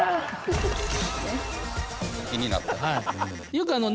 よくあの。